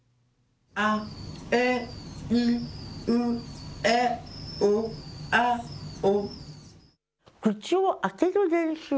あ、え、い、う、え、お、あ、お。